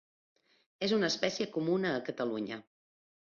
És una espècie comuna a Catalunya.